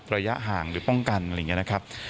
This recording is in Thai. ระยะห่างหรือป้องกันอะไรอย่างนี้นะครับ